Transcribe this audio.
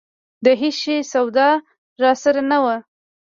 د هېڅ شي سودا راسره نه وه.